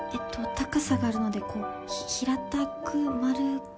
高さがあるのでこう平たく丸く。